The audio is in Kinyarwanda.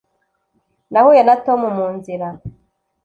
Nahuye na Tom mu nzira